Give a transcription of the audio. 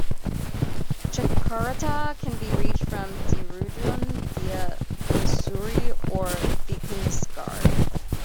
Chakrata can be reached from Dehradun via Mussoorie or Vikasnagar.